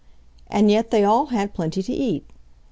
And yet they all had plenty to eat.